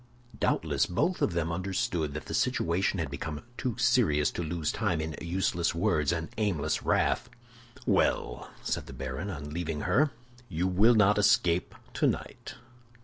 Doubtless both of them understood that the situation had become too serious to lose time in useless words and aimless wrath. "Well," said the baron, on leaving her "you will not escape tonight!"